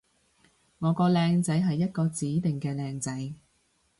我個靚仔係一個指定嘅靚仔